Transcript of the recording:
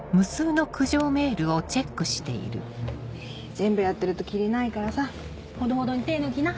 全部やってるとキリないからさほどほどに手抜きな。